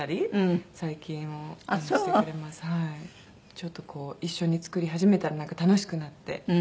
ちょっと一緒に作り始めたらなんか楽しくなって。